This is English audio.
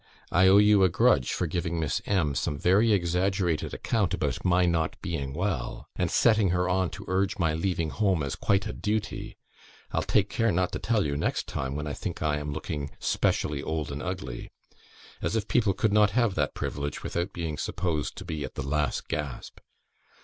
I owe you a grudge for giving Miss M some very exaggerated account about my not being well, and setting her on to urge my leaving home as quite a duty. I'll take care not to tell you next time, when I think I am looking specially old and ugly; as if people could not have that privilege, without being supposed to be at the last gasp!